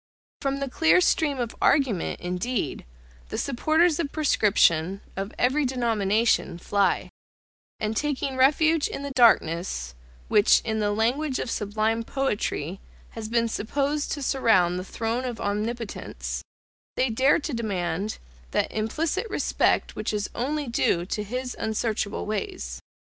>From the clear stream of argument, indeed, the supporters of prescription, of every denomination, fly: and taking refuge in the darkness, which, in the language of sublime poetry, has been supposed to surround the throne of Omnipotence, they dare to demand that implicit respect which is only due to His unsearchable ways.